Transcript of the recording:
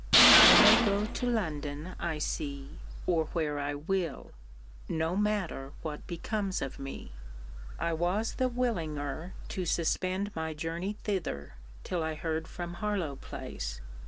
I may go to London, I see, or where I will. No matter what becomes of me. I was the willinger to suspend my journey thither till I heard from Harlowe place.